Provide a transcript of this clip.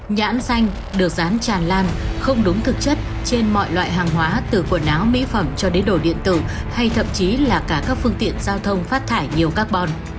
nhãn xanh được rán tràn lan không đúng thực chất trên mọi loại hàng hóa từ quần áo mỹ phẩm cho đến đồ điện tử hay thậm chí là cả các phương tiện giao thông phát thải nhiều carbon